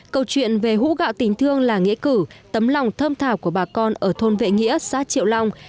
câu chuyện về hũ gạo tình thương là nghĩa cử tấm lòng thơm thảo của bà con ở thôn vệ nghĩa xã triệu long